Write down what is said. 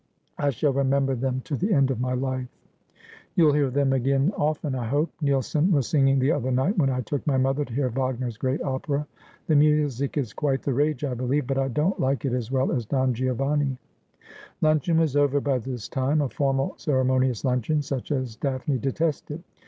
I shall remember them to the end of my life.' ' You'll hear them again often, I hope. Nilsson was singing the other night, when I took my mother to hear Wagner's great opera. The music is quite the rage, I believe ; but I don't like it as well as " Don Giovanni." ' Luncheon was over by this time — a formal ceremonious luncheon, such as Daphne detested.